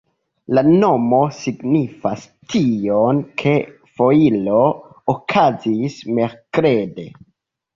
La nomo signifas tion, ke foiro okazis merkrede.